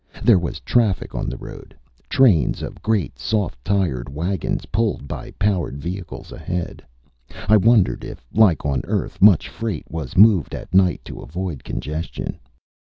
There was traffic on the road, trains of great soft tired wagons, pulled by powered vehicles ahead. I wondered if, like on Earth, much freight was moved at night to avoid congestion.